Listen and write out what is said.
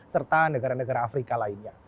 serta negara negara afrika lainnya